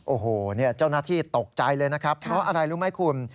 โอ้โหเจ้าหน้าที่ตกใจเลยนะครับเพราะอะไรรู้ไหมคุณ